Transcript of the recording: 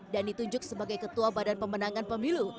dan ditunjuk sebagai ketua badan pemenangan pemilu